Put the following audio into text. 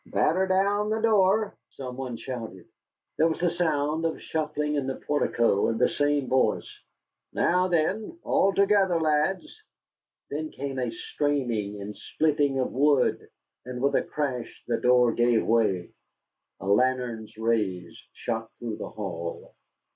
"Batter down the door," some one shouted. There was a sound of shuffling in the portico, and the same voice: "Now then, all together, lads!" Then came a straining and splitting of wood, and with a crash the door gave way. A lantern's rays shot through the hall.